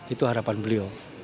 itu harapan beliau